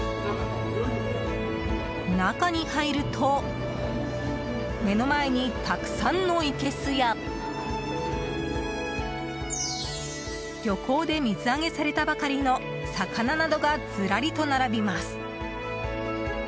中に入ると目の前に、たくさんのいけすや漁港で水揚げされたばかりの魚などがずらりと並びます。